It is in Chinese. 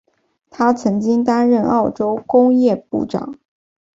他曾经担任澳洲工业部长。